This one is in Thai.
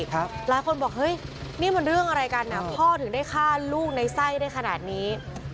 หลายคนบอกเฮ้ยนี่มันเรื่องอะไรกันพ่อถึงได้ฆ่าลูกในไส้ได้ขนาดนี้